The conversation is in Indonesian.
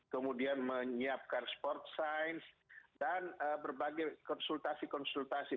kemudian menyiapkan sport science dan berbagai konsultasi konsultasi